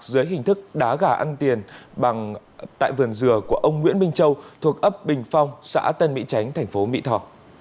dưới hình thức đá gà ăn tiền tại vườn dừa của ông nguyễn minh châu thuộc ấp bình phong xã tân mỹ chánh thành phố mỹ thò